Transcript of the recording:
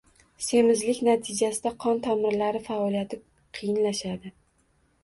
Semizlik natijasida qon tomirlari faoliyati qiyinlashadi.